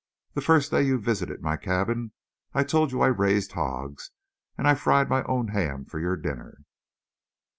"The first day you visited my cabin I told you I raised hogs, and I fried my own ham for your dinner."